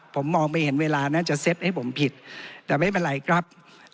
ผมมองไม่เห็นเวลาน่าจะเซ็ตให้ผมผิดแต่ไม่เป็นไรครับ